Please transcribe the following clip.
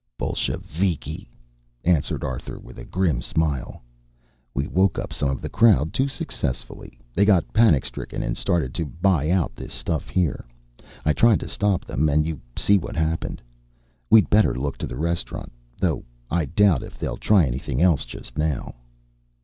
"Bolsheviki!" answered Arthur with a grim smile. "We woke up some of the crowd too successfully. They got panic stricken and started to buy out this stuff here. I tried to stop them, and you see what happened. We'd better look to the restaurant, though I doubt if they'll try anything else just now."